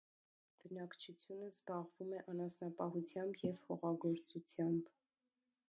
Բնակչությունը զբաղվում է անասնապահությամբ և հողագործությամբ։